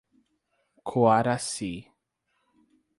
Coaraci